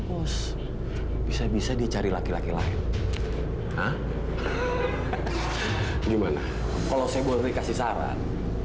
bu bapak aku jarang pulang sih